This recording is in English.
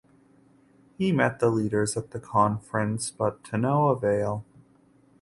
He met the leaders at the conference but to no avail.